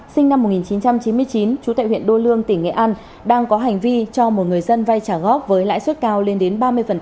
sinh năm một nghìn chín trăm chín mươi chín chú tại huyện đô lương tỉnh nghệ an đang có hành vi cho một người dân vay trả góp với lãi suất cao lên đến ba mươi